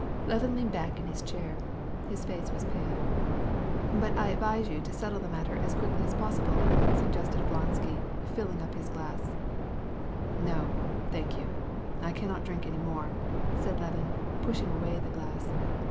Levin dropped back in his chair; his face was pale. "But I would advise you to settle the thing as soon as may be," pursued Oblonsky, filling up his glass. "No, thanks, I can't drink any more," said Levin, pushing away his glass.